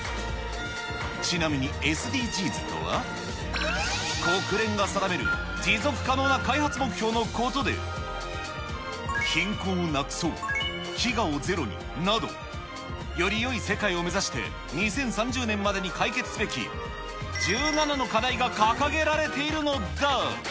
ちなみにＳＤＧｓとは、国連が定める、持続可能な開発目標のことで、貧困をなくそう、飢餓をゼロになど、よりよい世界を目指して、２０３０年までに解決すべき１７の課題が掲げられているのだ。